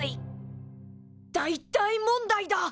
大大問題だ！